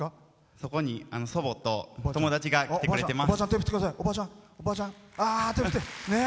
そこに、祖母と友達が来てくれてます。